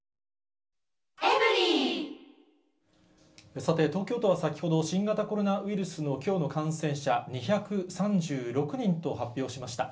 さて、東京都は先ほど新型コロナウイルスのきょうの感染者２３６人と発表しました。